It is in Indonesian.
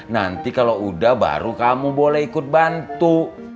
nanti kalau udah baru kamu boleh ikut bantu